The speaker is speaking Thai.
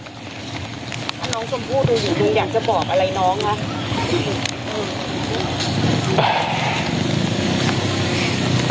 ถ้าน้องสมผู้ต้องอยู่หนึ่งรู้อยากจะบอกอะไรน้องค่ะ